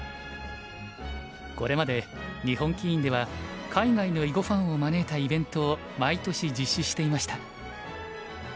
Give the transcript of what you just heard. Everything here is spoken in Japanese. これまで日本棋院では海外の囲碁ファンを招いたイベントを毎年実施していました。